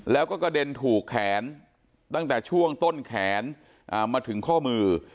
แล้วก็กระเด็นถูกแขนตั้งแต่ช่วงต้นแขนมาถึงข้อมือ